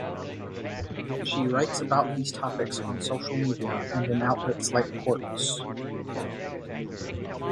She writes about these topics on social media and in outlets like "Quartz".